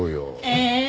ええ！